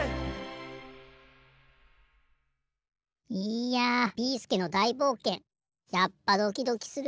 「」いやビーすけの大冒険やっぱドキドキする。